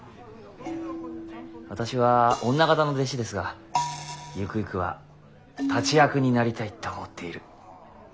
私は女形の弟子ですがゆくゆくは立役になりたいと思っている。